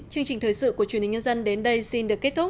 chương trình thời sự của truyền hình nhân dân đến đây xin được kết thúc